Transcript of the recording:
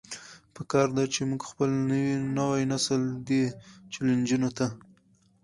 پکار ده چې مونږ خپل نوے نسل دې چيلنجونو ته